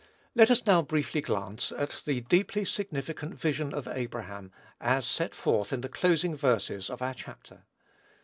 Let us now briefly glance at the deeply significant vision of Abraham as set forth in the closing verses of our chapter.